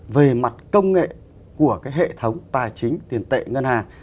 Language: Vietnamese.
về mặt công nghệ của cái hệ thống tài chính tiền tệ ngân hàng